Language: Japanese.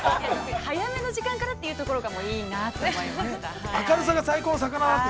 ◆早めの時間からというところがいいなあと思いました、はい。